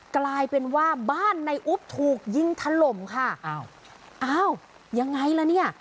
กลายเป็นว่าบ้านในอุ๊บถูกยิงถล่มค่ะอ้าวอ้าวยังไงล่ะเนี่ย